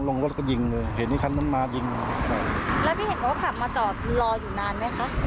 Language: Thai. แล้วพี่เห็นว่าขับมาจอดรออยู่นานไหมคะ